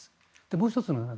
もう１つの話は。